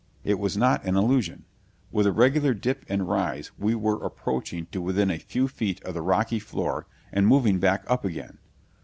It was not an illusion. With a regular dip and rise we were approaching to within a few feet of the rocky floor and moving back up again.